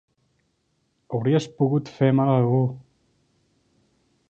Hauries pogut fer mal a algú!